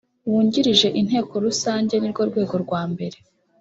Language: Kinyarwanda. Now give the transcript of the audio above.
wungirije inteko rusange nirwo rwego rwambere